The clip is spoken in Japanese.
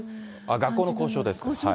学校の校章ですか。